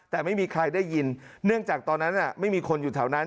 แต่ไม่มีใครได้ยินเนื่องจากตอนนั้นไม่มีคนอยู่แถวนั้น